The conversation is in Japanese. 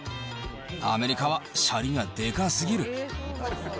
アメリカはシャリがでかすぎる。